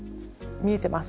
見えてます。